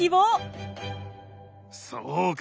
そうか！